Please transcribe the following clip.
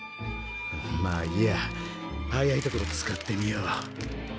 まあいいや早いところ使ってみよう。